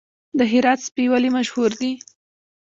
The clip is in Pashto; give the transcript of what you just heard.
د هرات سپي ولې مشهور دي؟